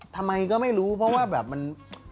ทำไมก็ไม่รู้เพราะว่าแบบมัน